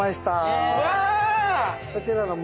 こちらが。